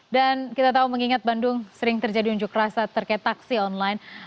dan kita tahu mengingat bandung sering terjadi unjuk rasa terkait taksi online